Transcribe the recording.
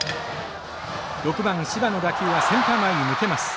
６番柴の打球はセンター前に抜けます。